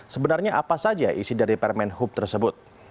sebenarnya apa saja isi dari permen hub tersebut